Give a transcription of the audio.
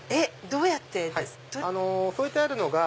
どうやってですか？